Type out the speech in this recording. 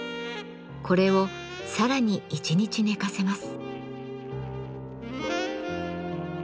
これをさらに一日寝かせます。